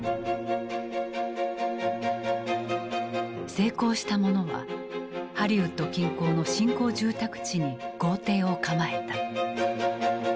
成功した者はハリウッド近郊の新興住宅地に豪邸を構えた。